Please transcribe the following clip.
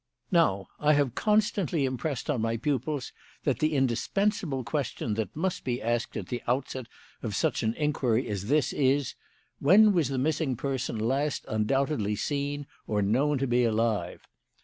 "Now, I have constantly impressed on my pupils that the indispensable question that must be asked at the outset of such an inquiry as this is, 'When was the missing person last undoubtedly seen or known to be alive?'